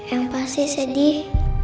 eyang pasti sedih